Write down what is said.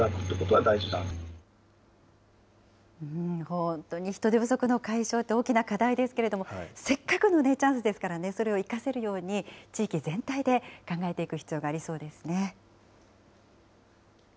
本当に人手不足の解消って大きな課題ですけれども、せっかくのチャンスですからね、それを生かせるように、地域全体で考えていく必要がありそうですね。